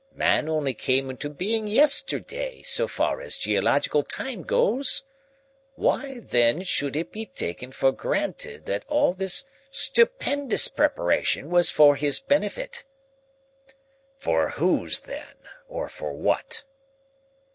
Man only came into being yesterday so far as geological times goes. Why, then, should it be taken for granted that all this stupendous preparation was for his benefit?" "For whose then or for what?"